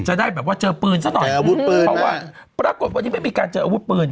จะได้แบบว่าเจอปืนซะหน่อยอาวุธปืนเพราะว่าปรากฏวันนี้ไม่มีการเจออาวุธปืน